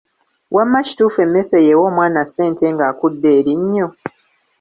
Wamma kituufu emmese y'ewa omwana ssente ng'akudde erinnyo?